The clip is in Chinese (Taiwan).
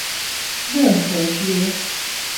熱河街